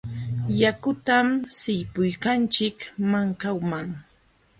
Yakutam sillpuykanchik mankaman.